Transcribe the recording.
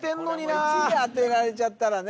これ１位当てられちゃったらね